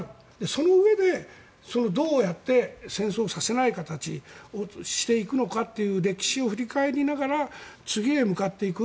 そのうえでどうやって戦争をさせない形にしていくかという歴史を振り返りながら次へ向かっていく。